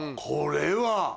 これは。